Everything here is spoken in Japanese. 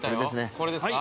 これですか？